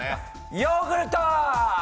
ヨーグルト！